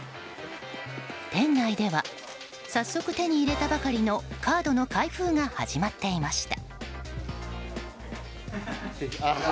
店内では早速、手に入れたばかりのカードの開封が始まっていました。